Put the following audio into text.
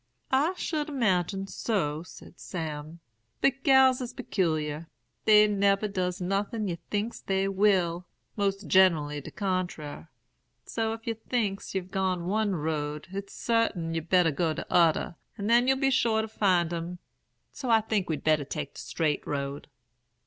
"'I should 'magine so,' said Sam; 'but gals is pecular. Dey nebber does nothin' ye thinks they will; mose gen'lly de contrar; so if yer thinks they've gone one road, it's sartin you'd better go t'other, and then you'll be sure to find 'em. So I think we'd better take de straight road.'